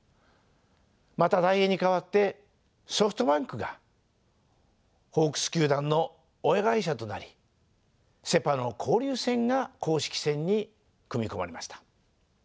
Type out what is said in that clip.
またダイエーに代わってソフトバンクがホークス球団の親会社となりセ・パの交流戦が公式戦に組み込まれました。